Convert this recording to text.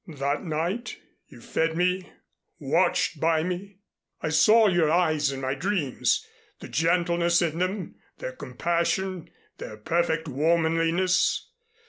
"That night you fed me watched by me. I saw your eyes in my dreams, the gentleness in them, their compassion, their perfect womanliness.